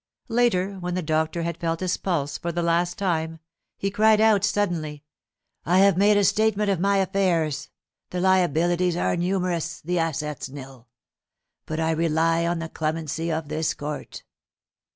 Later, when the doctor had felt his pulse for the last time, he cried out suddenly, "I have made a statement of my affairs, the liabilities are numerous the assets nil; but I rely on the clemency of this court."